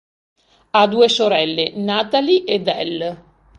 Ha due sorelle, Natalie ed Elle.